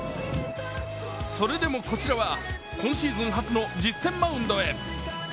それでもこちらは今シーズン初の実戦マウンドへ。